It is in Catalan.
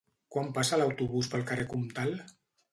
Quan passa l'autobús pel carrer Comtal?